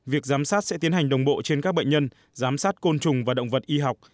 việc giám sát sẽ tiến hành đồng bộ trên các bệnh nhân giám sát côn trùng và động vật y học